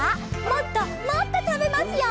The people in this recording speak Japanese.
もっともっとたべますよ！